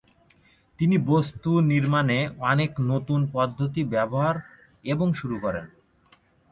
তিনি বস্তুনির্মাণে অনেক নতুন পদ্ধতি ব্যবহার এবং শুরু করেন।